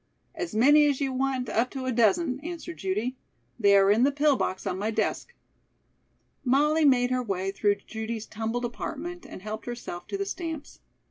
"As many as you want up to a dozen," answered Judy. "They are in the pill box on my desk." Molly made her way through Judy's tumbled apartment and helped herself to the stamps.